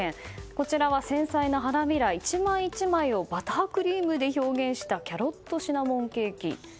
こちらは繊細な花びら１枚１枚をバタークリームで表現したキャロットシナモンケーキ。